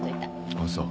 あっそう。